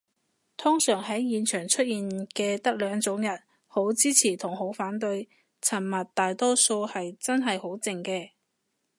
通常喺現場出現嘅得兩種人，好支持同好反對，沉默大多數係真係好靜嘅